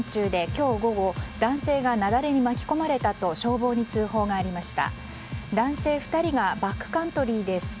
岩手県八幡平市の山中で今日午後男性が雪崩に巻き込まれたと消防に通報がありました。